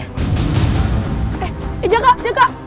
eh eh jaka jaka